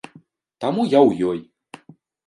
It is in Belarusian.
Таму я ў ёй.